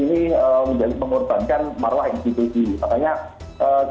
makanya kavori harus mencari kakori yang lebih luas di antar paksi